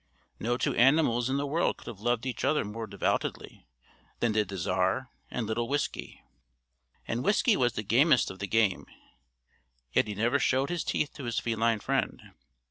No two animals in the world could have loved each other more devotedly, than did the Czar and little Whiskey. And Whiskey was the gamest of the game, yet he never showed his teeth to his feline friend.